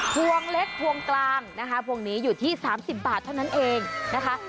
พวงเล็กพวงกลางนะคะพวงนี้อยู่ที่๓๐บาทเท่านั้นเองนะคะ